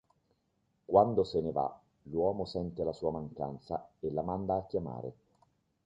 Quando se ne va, l'uomo sente la sua mancanza e la manda a chiamare.